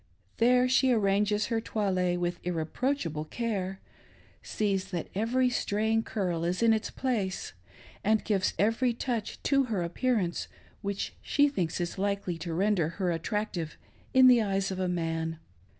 There she arranges her toilet with irre proachable care, sees that every straying curl is in its place, and gives every touch to her appearance which she thinks is likely to render her attractive in the eyes of a man.